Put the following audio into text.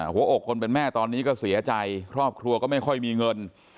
หัวอกคนเป็นแม่ตอนนี้ก็เสียใจครอบครัวก็ไม่ค่อยมีเงิน